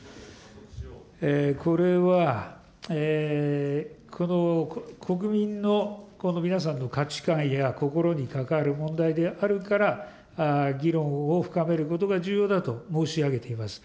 これは、国民の皆さんの価値観や心に関わる問題であるから、議論を深めることが重要だと申し上げています。